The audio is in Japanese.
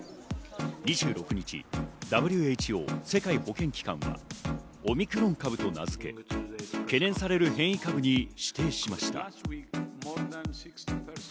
２６日、ＷＨＯ＝世界保健機関はオミクロン株と名付け、懸念される変異株に指定しました。